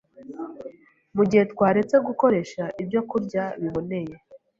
mu gihe twaretse gukoresha ibyokurya biboneye